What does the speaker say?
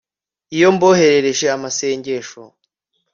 iyo mboherereje amasengesho